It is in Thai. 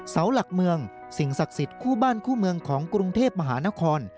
เสาหลักเมืองสิ่งศักดิ์สิทธิ์คู่บ้านคู่เมืองของกรุงเทพมหานคร